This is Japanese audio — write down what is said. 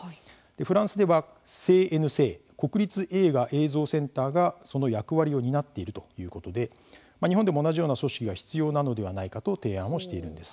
フランスでは「ＣＮＣ＝国立映画映像センター」がその役割を担っているということで日本でも同じような組織が必要なのではないかと提案をしているんです。